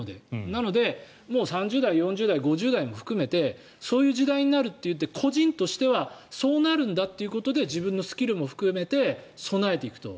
なので３０代、４０代、５０代も含めてそういう時代になるというので個人としてはそうなるんだということで自分のスキルも含めて備えていくと。